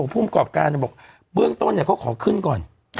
ผู้ประกอบการบอกเบื้องต้นเนี่ยเขาขอขึ้นก่อน